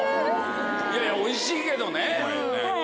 いやいやおいしいけどね。